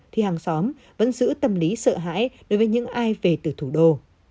thì hàng xóm vẫn giữ tâm lý sợ hãi đối với những ai về từ thủ đô